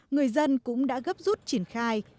người dân cũng đã gấp rút triển khai